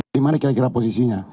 di mana kira kira posisinya